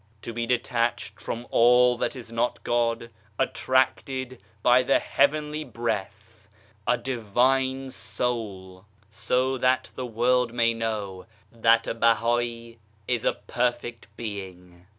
To be detached from all that is not God, attracted by the Heavenly Breath a divine soul ; so that the world may know that a Bahal is a perfect being.